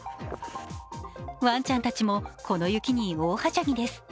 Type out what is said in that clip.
ワンちゃんたちもこの雪に大はしゃぎです。